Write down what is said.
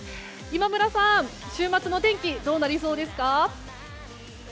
今村さん、週末のお天気どうなりそうですか？